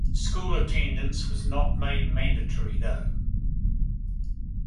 School attendance was not made mandatory, though.